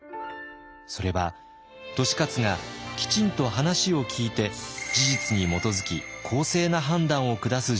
それは利勝がきちんと話を聞いて事実に基づき公正な判断を下す人物だったから。